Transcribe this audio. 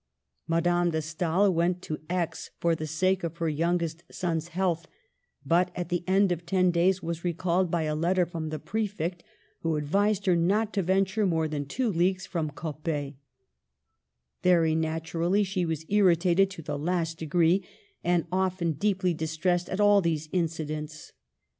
Madame de Stael went to Aix for the sake of her youngest son's health, but at the end of ten days was recalled by a letter from the Pre fect, who advised her not to venture more than two leagues from Coppet Very naturally she was irritated to the last degree and often deeply distressed at all these incidents.